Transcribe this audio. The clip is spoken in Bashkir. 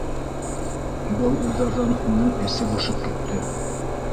Был уйҙарҙан уның эсе бошоп китте.